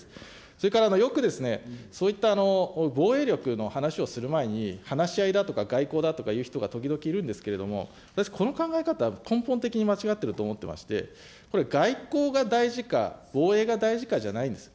それからよく、そういった防衛力の話をする前に、話し合いだとか外交だとかいう人が時々いるんですけれども、私、この考え方、根本的に間違っていると思ってまして、これ、外交が大事か、防衛が大事かじゃないんです。